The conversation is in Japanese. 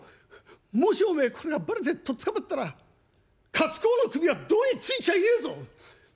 もしおめえこれがバレてとっつかまったら勝公の首は胴についちゃいねえぞ！